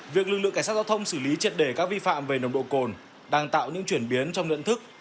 việc lực lượng cảnh sát giao thông xử lý triệt để các vi phạm về nồng độ cồn đang tạo những chuyển biến trong luyện thức